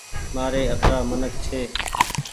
مآري اترآ منک هيتي